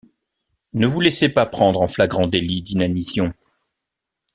Ne vous laissez pas prendre en flagrant délit d’inanition.